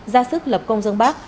ra sức lập công dân bác